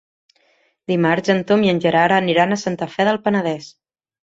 Dimarts en Tom i en Gerard aniran a Santa Fe del Penedès.